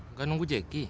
nggak nunggu jackie